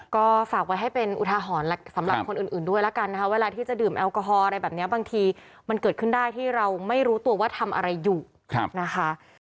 ก็ฝากไว้ให้เป็นอุทาหรณ์สำหรับคนอื่นด้วยแล้วกันนะคะเวลาที่จะดื่มแอลกอฮอล์อะไรแบบนี้บางทีมันเกิดขึ้นได้ที่เราไม่รู้ตัวว่าทำอะไรอยู่นะคะ